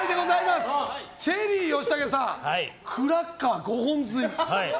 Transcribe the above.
チェリー吉武さんクラッカー５本吸い。